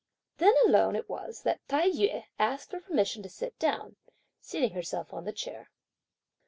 Then alone it was that Tai yü asked for permission to sit down, seating herself on the chair.